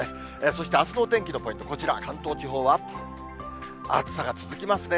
そしてあすのお天気のポイント、こちら、関東地方は暑さが続きますね。